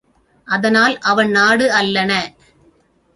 அதனால், அவன் நாடு அல்லன.